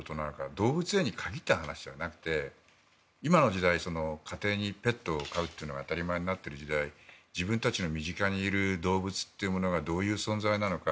動物園に限ったことではなく今の時代家庭にペットを飼うというのは当たり前になっている時代自分たちの身近にいる動物がどういう存在なのか。